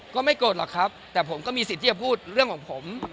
ก็ไม่โกรธหรอกครับแต่ผมก็มีสิทธิ์ที่จะพูดเรื่องของผม